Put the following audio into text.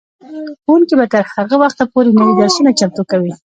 ښوونکي به تر هغه وخته پورې نوي درسونه چمتو کوي.